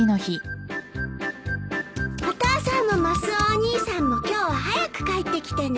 お父さんもマスオお兄さんも今日は早く帰ってきてね！